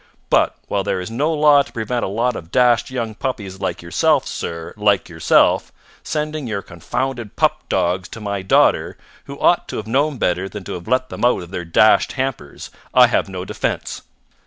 But while there is no law to prevent a lot of dashed young puppies like yourself, sir like yourself sending your confounded pug dogs to my daughter, who ought to have known better than to have let them out of their dashed hampers, I have no defence.